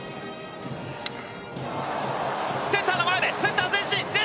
センターの前で、センター前進！